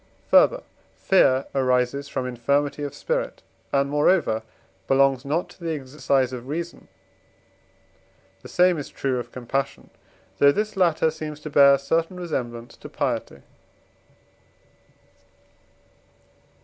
Further, fear arises from infirmity of spirit, and moreover belongs not to the exercise of reason: the same is true of compassion, though this latter seems to bear a certain resemblance to piety.